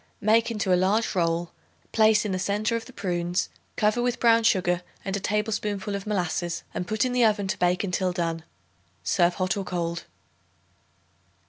Make into a large roll; place in the centre of the prunes; cover with brown sugar and a tablespoonful of molasses and put in the oven to bake until done. Serve hot or cold.